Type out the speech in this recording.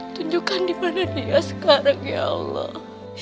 tunjukkan kepada dia sekarang ya allah